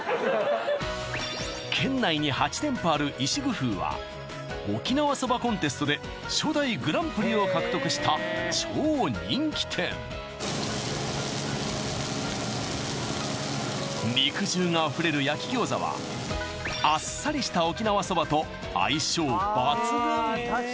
ふーは沖縄そばコンテストで初代グランプリを獲得した超人気店肉汁があふれる焼き餃子はあっさりした沖縄そばと相性抜群！